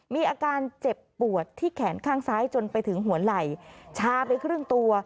มีอาการเจ็บปวดที่แขนข้างซ้ายจนไปถึงหัวไหล่ชาไปครึ่งตัว